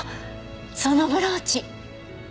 そのブローチ！